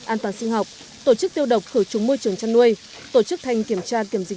an toàn sinh học tổ chức tiêu độc khử trùng môi trường chăn nuôi tổ chức thanh kiểm tra kiểm dịch